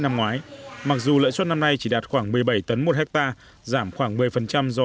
năm ngoái mặc dù lợi suất năm nay chỉ đạt khoảng một mươi bảy tấn một hectare giảm khoảng một mươi do